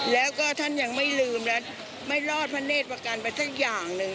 แล้วก็ท่านยังไม่ลืมและไม่รอดพระเนธประกันไปสักอย่างหนึ่ง